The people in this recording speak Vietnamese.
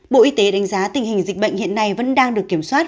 bộ y tế đánh giá tình hình dịch bệnh hiện nay vẫn đang được kiểm soát